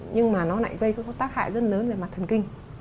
nhưng mà nó lại gây có tác hại rất lớn về mặt thần kinh